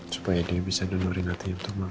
supaya dia bisa donori hati untuk mama